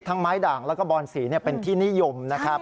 ไม้ด่างแล้วก็บอนสีเป็นที่นิยมนะครับ